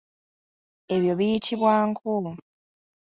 Ebyo biyitibwa nku.